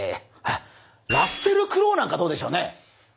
ラッセル・クロウなんかどうでしょうね？